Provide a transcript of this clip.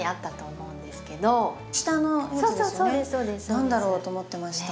「何だろう？」と思ってました。